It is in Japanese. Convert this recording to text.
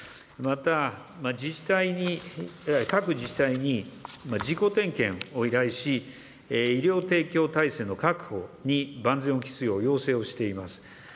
また自治体に、各自治体に自己点検を依頼し、医療提供体制の確保に万全を期すよう要請をしています。